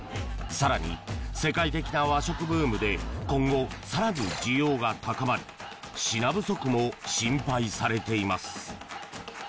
更に、世界的な和食ブームで今後、更に需要が高まり品不足も心配されています。